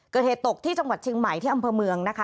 เกิดเหตุตกที่จังหวัดเชียงใหม่ที่อำเภอเมืองนะคะ